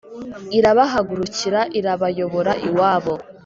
Irabahugukira irabayobora iwabo